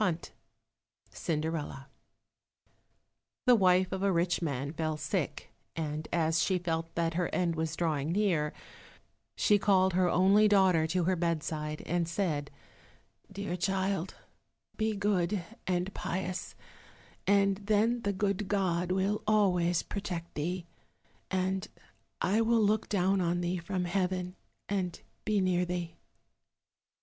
21 Cinderella The wife of a rich man fell sick, and as she felt that her end was drawing near, she called her only daughter to her bedside and said, "Dear child, be good and pious, and then the good God will always protect thee, and I will look down on thee from heaven and be near thee."